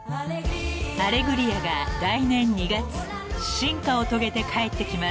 ［『アレグリア』が来年２月進化を遂げて帰ってきます］